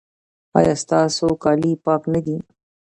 ایا ستاسو کالي پاک نه دي؟